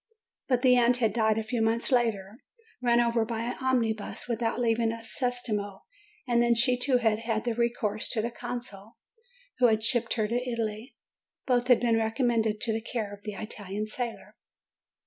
But the aunt had died a few months later, run over by an omnibus, without leaving a centesimo; and then she too had had recourse to the consul, who had shipped her to Italy. Both had been recommended to the care of the Italian sailor.